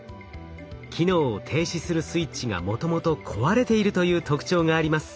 機能を停止するスイッチがもともと壊れているという特徴があります。